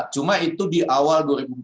cuma itu di awal dua ribu empat belas